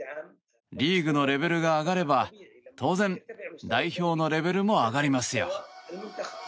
リーグのレベルが上がれば当然、代表のレベルも上がりますよ。